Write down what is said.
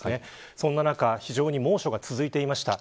そんな中非常に猛暑が続いていました。